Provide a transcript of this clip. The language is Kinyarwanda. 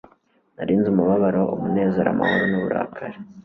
nari nzi umubabaro, umunezero, amahoro nuburakari